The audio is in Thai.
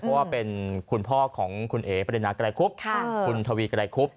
เพราะว่าเป็นคุณพ่อของคุณเอ๋ปรินาไกรคุบคุณทวีไกรคุบ